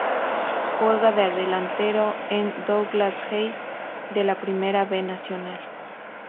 Juega de delantero en Douglas Haig de la Primera B Nacional.